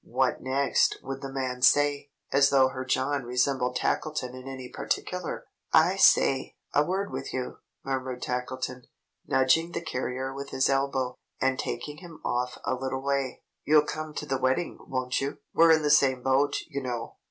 What next would the man say? As though her John resembled Tackleton in any particular! "I say! A word with you," murmured Tackleton, nudging the carrier with his elbow, and taking him off a little way. "You'll come to the wedding, won't you? We're in the same boat, you know."